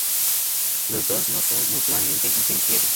Los dos no son mutuamente inteligibles.